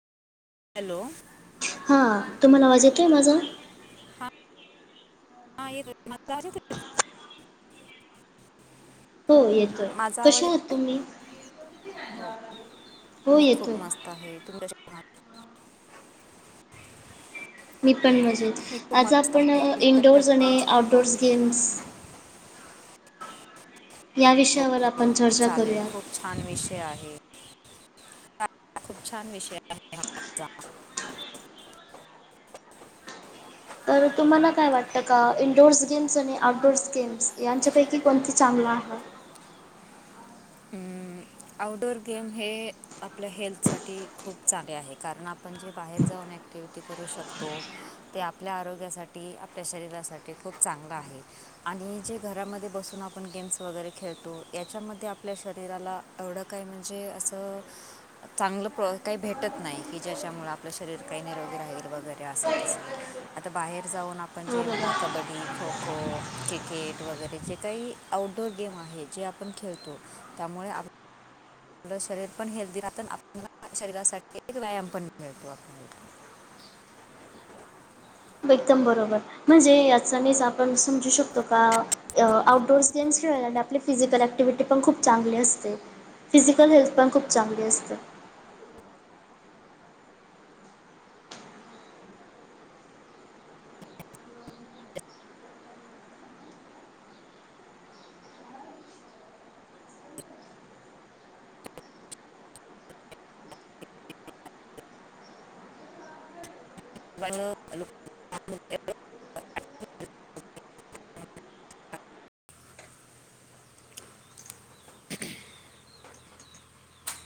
Hello? हां, तुम्हाला आवाज येतोय माझा? हां येतोय, [unintelligible] माझा आवाज येतोय का? हो येतोय माझा आवाज कशा आहात तुम्ही येतोय? हो, हो मी खूप येतोय मस्त त आहे, तुम्ही [unintelligible] कशे आहात? मी पण मजेत, मी खूप आज मस्त आपण आहे तुम्ही कसे इंडोअर्स आणि आहात आउटडोअर्स गेम्स या विषयावर ओके! आपण ओके! चर्चा चालेल, करूया खूप छान विषय आहे, [unintelligible] खूप छान विषय आहे, हा आजचा. तर तुम्हांला काय वाटतं का, इंडोअर्स गेम्स आणि आउटडोअर्स गेम्स यांच्यापैकी कोणती चांगलं आहे? हम्म. आऊटडोअर गेम, हे आपल्या हेल्थसाठी खूप चांगले आहे, कारण आपण जे बाहेर जाऊन एक ॲक्टिव्हटी करू शकतो, ते आपल्या आरोग्यासाठी आपल्या शरीरासाठी, खूप चांगलं आहे. आणि जे घरामध्ये बसून आपण गेम्स वगैरे खेळतो, याच्यामध्ये आप ल्या शरीराला, एवढं काय म्हणजे असं चांगलं प्र काही भेटतं नाही, की ज्याच्यामुळे आपलं शरीर काही निरोगी राहील, वगैरे असं तसं. आता बाहेर जाऊन आपणं जेव्हा ना, बरोबर कबड्डी खो -खो क्रिकेट वगैरे जे काही, आउटडोअर गेम आहे, जे आपण खेळतो त्यामुळे आ पलं शरीर पण हेल्दी राहतं, अन आपल्याला शरीरासाठी व्यायाम पण मिळतो, आपल्याला. एकदम बरोबर, म्हणजे याचानेच आपण समजू शकतो का अ आउटडोअर्स गेम्स खेळल्याने आपली फिजिकल ऍक्टिव्हटी पण खूप चांगली असते. फिजिकल हेल्थ, पण खूप चांगली असते. [unintelligible]